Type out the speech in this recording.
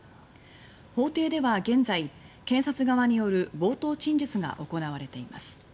法廷では現在、検察側による冒頭陳述が行われています。